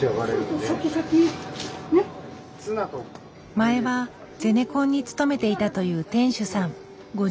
前はゼネコンに勤めていたという店主さん。